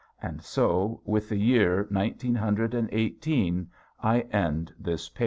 And so with the year nineteen hundred and eighteen I end this page.